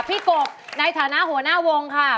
กบในฐานะหัวหน้าวงค่ะ